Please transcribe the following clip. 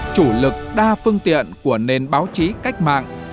chủ lực đa phương tiện của nền báo chí cách mạng